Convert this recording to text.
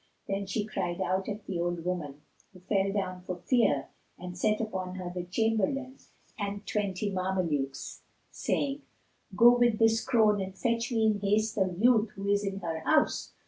Then she cried out at the old woman, who fell down for fear; and set upon her the Chamberlain and twenty Mamelukes, saying, "Go with this crone and fetch me in haste the youth who is in her house."